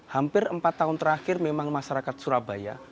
hampir empat tahun terakhir memang masyarakat surabaya